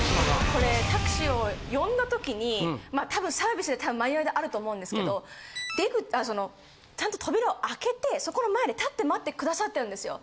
これタクシーを呼んだ時に多分サービスでマニュアルであると思うんですけどそのちゃんと扉を開けてそこの前で立って待ってくださってるんですよ。